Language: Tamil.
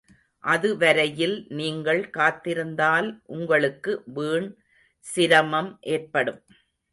அதுவரையில் நீங்கள் காத்திருந்தால் உங்களுக்கு வீண் சிரமம் ஏற்படும்.